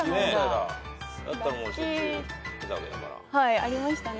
ありましたね